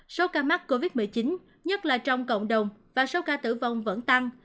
số ca mắc covid một mươi chín nhất là trong cộng đồng và số ca tử vong vẫn tăng